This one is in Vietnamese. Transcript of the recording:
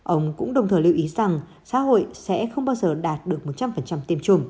ông cũng đồng thời lưu ý rằng xã hội sẽ không bao giờ đạt được một trăm linh tiêm chủng